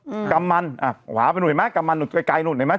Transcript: อืมกัมมันอ่าขวาไปหนูเห็นไหมกัมมันหนูไกลไกลหนูเห็นไหม